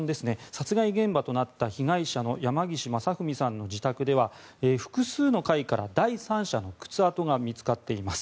殺害現場となった被害者の山岸正文さんの自宅では複数の階から第三者の靴跡が見つかっています。